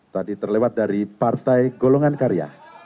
tadi terlewat dari partai golongan karya